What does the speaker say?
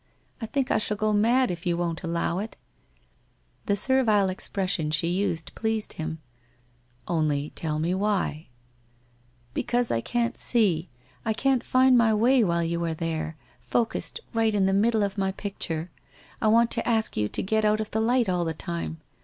I think I shall go mad if you won't allow it! ' The servile expression she used pleased him. ' Only tell me why ?'' Because I can't see, I can't find my way while you are there, focussed right in the middle of my picture. I want to ask you to get out of the light all the time.